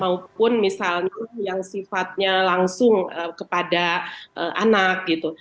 maupun misalnya yang sifatnya langsung kepada anak gitu